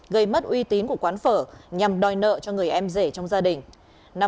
gây mất uy tín của quán phở nhằm đòi nợ cho người em rể trong gia đình